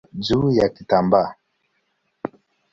juu ya kitambaa.